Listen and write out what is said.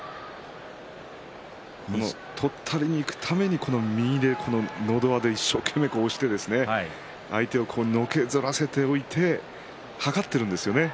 とったりにいくために右で、のど輪で一生懸命押して相手をのけぞらせておいてはかっているんですね